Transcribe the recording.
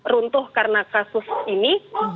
runtuh karena kasus ini